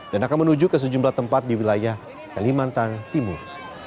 dan akan menuju ke sejumlah tempat di wilayah kalimantan timur